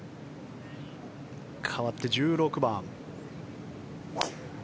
かわって、１６番。